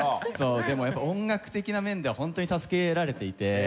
でもやっぱ音楽的な面では本当に助けられていて。